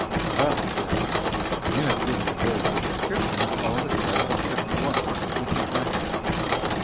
"Well," said the mayor, "you have given a very good description of all the cards except one, which is lacking."